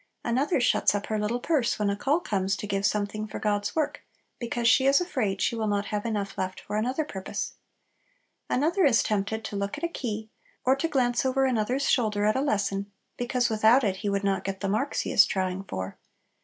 Another shuts up her little purse when a call comes to give something for God's work, because she is afraid she will not have enough left for another purpose. Another is tempted to look at a key, or to glance over another's shoulder at a lesson, because without it he would not get the marks he is trying for.